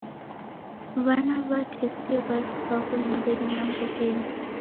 W'ana w'atesia w'avi w'aw'o nyumbenyi na mbuw'enyi.